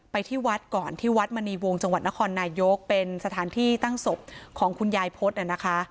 ที่วัดก่อนที่วัดมณีวงจังหวัดนครนายกเป็นสถานที่ตั้งศพของคุณยายพฤษนะคะ